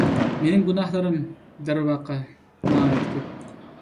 مېنىڭ گۇناھلىرىم، دەرۋەقە، ناھايىتى كۆپ.